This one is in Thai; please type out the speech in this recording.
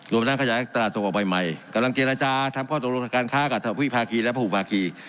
ทั้งขยายตลาดส่งออกใหม่กำลังเจรจาทำข้อตกลงทางการค้ากับวิภาคีและผู้ภาคี